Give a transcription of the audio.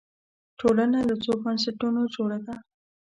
ټولنه له څو بنسټونو جوړه ده